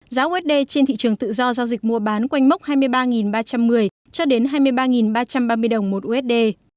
giá usd trên thị trường tự do giao dịch mua bán quanh mốc hai mươi ba ba trăm một mươi cho đến hai mươi ba ba trăm ba mươi đồng một usd